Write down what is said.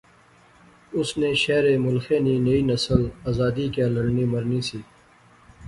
اس نے شہرے ملخے نی نئی نسل آزادی کیا لڑنی مرنی سی